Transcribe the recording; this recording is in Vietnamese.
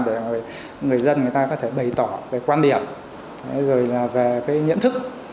để người dân có thể bày tỏ quan điểm nhận thức